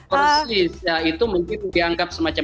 persis ya itu mungkin dianggap semacam